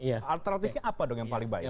alternatifnya apa dong yang paling banyak